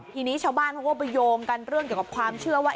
ทีนี้ชาวบ้านเขาก็ไปโยงกันเรื่องเกี่ยวกับความเชื่อว่า